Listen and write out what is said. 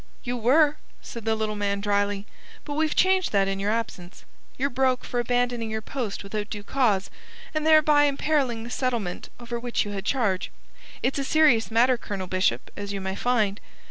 "You were," said the little man dryly. "But we've changed that in your absence. You're broke for abandoning your post without due cause, and thereby imperiling the settlement over which you had charge. It's a serious matter, Colonel Bishop, as you may find.